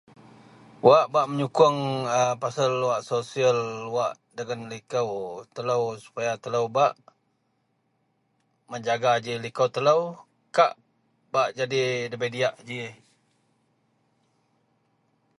Wak bak menyukuong a wak pasel sosial wak dagen likou telou supaya telou bak menjaga ji likou telou, kak bak jadi ndabei diyak ji